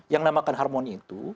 yang namakan harmoni itu